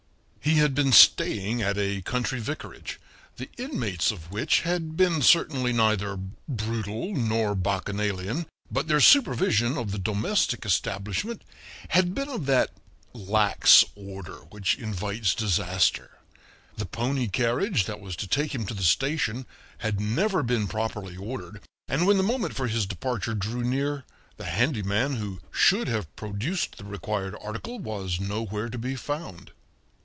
He had been staying at a country vicarage, the inmates of which had been certainly neither brutal nor bacchanalian, but their supervision of the domestic establishment had been of that lax order which invites disaster. The pony carriage that was to take him to the station had never been properly ordered, and when the moment for his departure drew near, the handyman who should have produced the required article was nowhere to be found.